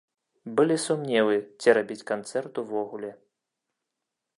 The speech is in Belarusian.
Былі сумневы, ці рабіць канцэрт увогуле.